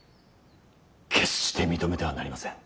決して認めてはなりません。